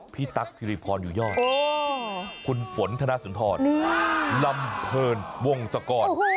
ตั๊กสิริพรอยู่ยอดคุณฝนธนสุนทรลำเพลินวงศกร